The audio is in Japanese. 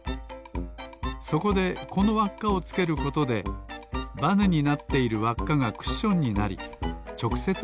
そこでこのわっかをつけることでバネになっているわっかがクッションになりちょくせつ